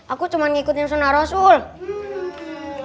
apa sih kalian juga gak nyampe sunnah rasul ya